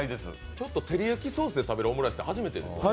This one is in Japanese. ちょっと照り焼きソースで食べるオムライスって初めてですよね。